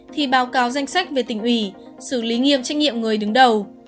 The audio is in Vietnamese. thì báo cáo danh sách về tỉnh ủy xử lý nghiêm trách nhiệm người đứng đầu